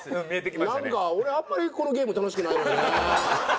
なんか俺あんまりこのゲーム楽しくないのよね。